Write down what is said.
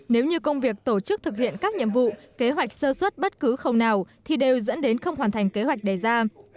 nếu như công việc tổ chức thực hiện các nhiệm vụ kế hoạch sơ suất bất cứ khâu nào thì đều dẫn đến không hoàn thành kế hoạch đề ra